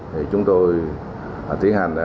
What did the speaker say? thì chúng tôi tiến hành